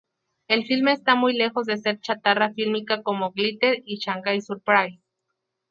El filme está muy lejos de ser chatarra fílmica como "Glitter" o "Shangai Surprise".